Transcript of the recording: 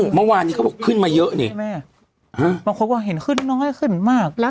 เมื่อวานเขาบอกว่าขึ้นมาเยอะบางคนบอกว่าเห็นขึ้นน้อยขึ้นมาก